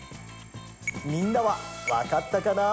みんなはわかったかな？